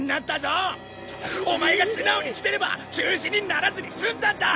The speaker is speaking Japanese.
オマエが素直に来てれば中止にならずに済んだんだ！